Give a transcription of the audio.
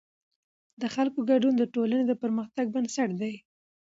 د خلکو ګډون د ټولنې د پرمختګ بنسټ دی